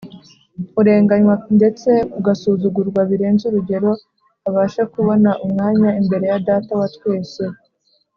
urenganywa ndetse agasuzugurwa birenze urugero, abashe kubona umwanya imbere ya Data wa twese.